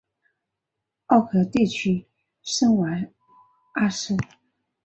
奥格地区圣瓦阿斯。